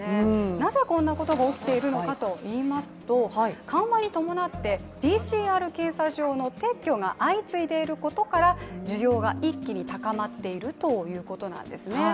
なぜこんなことが起きているのかといいますと緩和に伴って、ＰＣＲ検査場の撤去が相次いでいることから需要が一気に高まっているということなんですね。